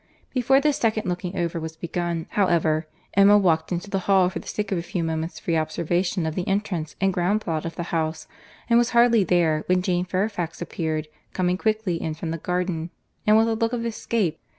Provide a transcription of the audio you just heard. —Before this second looking over was begun, however, Emma walked into the hall for the sake of a few moments' free observation of the entrance and ground plot of the house—and was hardly there, when Jane Fairfax appeared, coming quickly in from the garden, and with a look of escape.